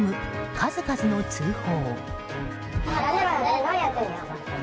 数々の通報。